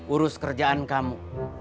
urus kerjaan kamu